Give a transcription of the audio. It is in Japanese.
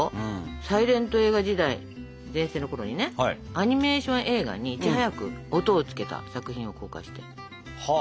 サイレント映画時代全盛のころにねアニメーション映画にいち早く音をつけた作品を公開して全米で大ヒットしたという。